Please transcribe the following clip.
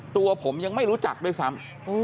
ตัวผมยังไม่รู้จักด้วยซ้ำ